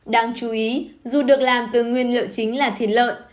đáng chú ý dù được làm từ nguyên liệu chính là thịt lợn